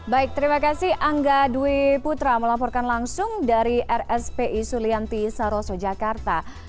baik terima kasih angga dwi putra melaporkan langsung dari rspi sulianti saroso jakarta